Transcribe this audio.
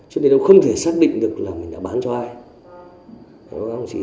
cho nên đâu không thể xác định được là mình đã bán cho ai